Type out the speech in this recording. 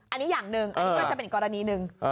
อันนี้อย่างหนึ่งอันนี้ก็จะเป็นอีกกรณีหนึ่ง